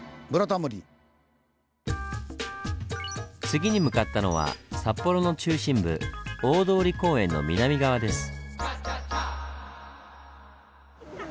次に向かったのは札幌の中心部大通公園の南側です。